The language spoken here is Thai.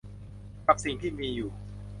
กับสิ่งที่มีอยู่